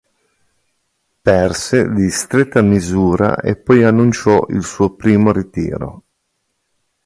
Perse di stretta misura e poi annunciò il suo primo ritiro.